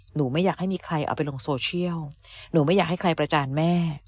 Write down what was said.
ไม่อยากให้มีใครเอาไปลงโซเชียลหนูไม่อยากให้ใครประจานแม่